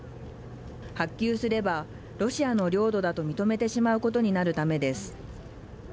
発給すれば、ロシアの領土だと認めてしまうことになるためです。